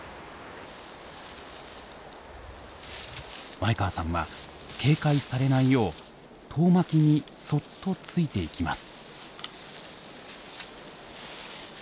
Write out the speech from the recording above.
前川さんは警戒されないよう遠巻きにそっとついていきます。